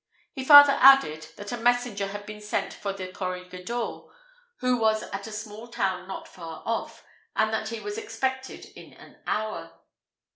He farther added, that a messenger had been sent for the corregidor, who was at a small town not far off, and that he was expected in an hour.